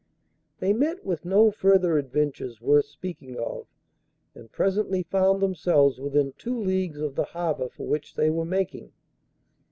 They met with no further adventures worth speaking of, and presently found themselves within two leagues of the harbour for which they were making.